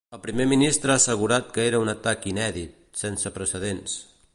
El primer ministre ha assegurat que era un atac inèdit, ‘sense precedents’.